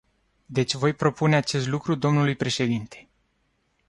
Deci voi propune acest lucru dlui președinte.